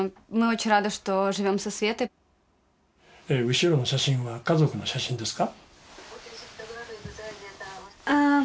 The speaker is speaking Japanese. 後ろの写真は家族の写真ですか？